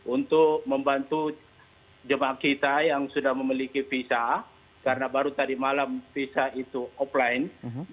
untuk membantu jemaah kita yang sudah memiliki visa karena baru tadi malam visa itu offline